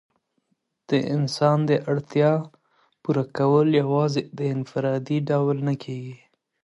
د انسان د اړتیا پوره کول یوازي په انفرادي ډول نه کيږي.